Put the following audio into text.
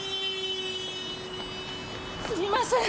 すみません！